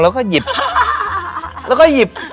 แล้วก็หยิบแล้วก็หยิบ